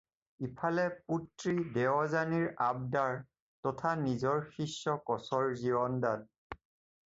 ইফালে পুত্ৰী দেৱযানীৰ আব্দাৰ তথা নিজৰ শিষ্য কচৰ জীৱনদান।